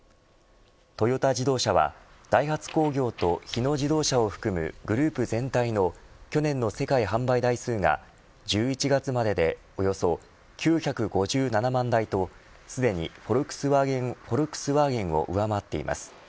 トヨタ自動車はダイハツ工業と日野自動車を含むグループ全体の去年の世界販売台数が１１月までで、およそ９５７万台とすでにフォルクスワーゲンを上回っています。